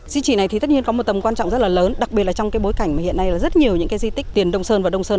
di chỉ này thì tất nhiên có một tầm quan trọng rất là lớn đặc biệt là trong bối cảnh hiện nay rất nhiều di tích tiền đông sơn và đông sơn